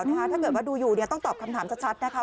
ถ้าเกิดว่าดูอยู่ต้องตอบคำถามชัดนะคะ